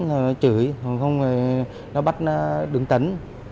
nó chửi nó bắt nó đứng tấn